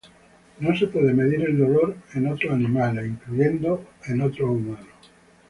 El dolor no puede ser medido en otros animales, incluyendo otros humanos.